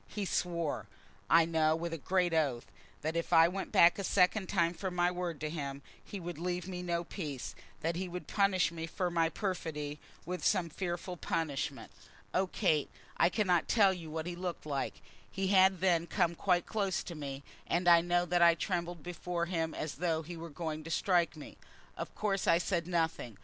He swore, I know, with a great oath, that if I went back a second time from my word to him he would leave me no peace, that he would punish me for my perfidy with some fearful punishment. Oh, Kate, I cannot tell you what he looked like. He had then come quite close to me, and I know that I trembled before him as though he were going to strike me. Of course I said nothing.